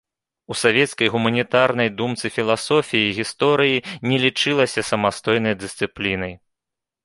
У савецкай гуманітарнай думцы філасофіі гісторыі не лічылася самастойнай дысцыплінай.